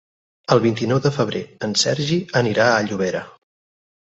El vint-i-nou de febrer en Sergi anirà a Llobera.